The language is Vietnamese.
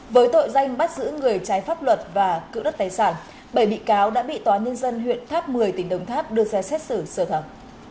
với tội danh bắt giữ người trái pháp luật và cự đất tài sản bảy bị cáo đã bị tòa nhân dân huyện tháp một mươi tỉnh đồng tháp đưa ra xét xử sơ thẩm